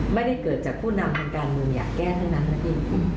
ไม่ได้เกิดจากผู้นำทางการเมืองอยากแก้เท่านั้นนั่นเอง